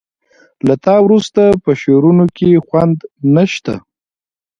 له تا وروسته په شعرونو کې خوند نه شته